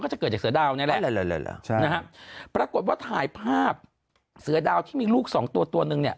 จะเกิดจากเสือดาวนี่แหละนะฮะปรากฏว่าถ่ายภาพเสือดาวที่มีลูกสองตัวตัวนึงเนี่ย